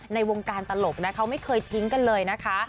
ในวงการตลกที่เคยทิ้งกันเลยนะคะ